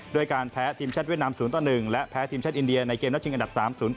ด้วยการแพ้ทีมชาติเวียดนาม๐ต่อ๑และแพ้ทีมชาติอินเดียในเกมนัดชิงอันดับ๓๐